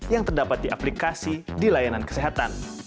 yang terdapat di aplikasi di layanan kesehatan